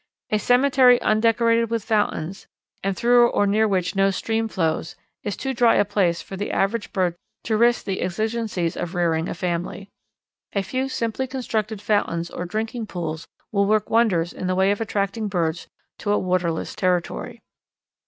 A cemetery undecorated with fountains, and through or near which no stream flows, is too dry a place for the average bird to risk the exigencies of rearing a family. A few simply constructed fountains or drinking pools will work wonders in the way of attracting birds to a waterless territory.